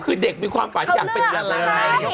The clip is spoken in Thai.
คือเด็กมีความฝันอยากเป็นอะไร